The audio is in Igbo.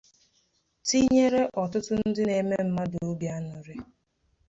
tinyéré ọtụtụ ndị na-eme mmadụ obi añụrị